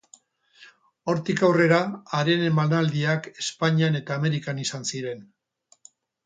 Hortik aurrera haren emanaldiak Espainian eta Amerikan izan ziren.